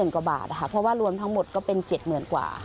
กว่าบาทค่ะเพราะว่ารวมทั้งหมดก็เป็น๗๐๐๐กว่า